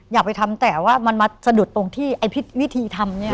อยากไปทำแต่ว่ามันมาสะดุดตรงที่ไอ้วิธีทำเนี่ย